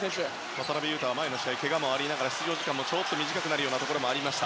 渡邊雄太は前の試合けがもあり出場時間が短くなるところがありました。